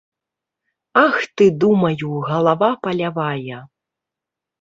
Ах ты, думаю, галава палявая.